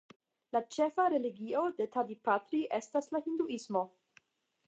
La ĉefa religio de Tadipatri estas la hinduismo.